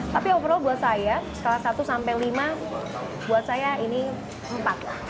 tapi overall buat saya skala satu sampai lima buat saya ini empat lah